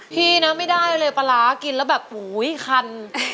พี่นะไม่ได้เลยปลาร้ากินแล้วแบบอุ้ยคัน